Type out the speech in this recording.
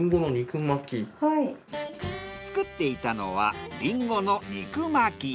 作っていたのはリンゴの肉巻き。